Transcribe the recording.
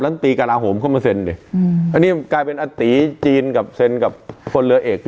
แล้วตีการอาหมเข้ามาเซ็นดิอันนี้กลายเป็นอตรีจีนเซ็นกับคนเหลือเอก